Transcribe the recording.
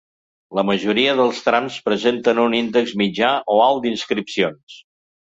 La majoria dels trams presenten un índex mitjà o alt d’inscripcions.